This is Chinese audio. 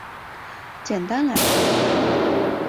简单来说